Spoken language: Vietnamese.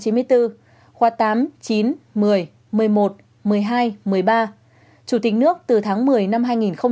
chủ tịch nước từ tháng một mươi năm hai nghìn một mươi tám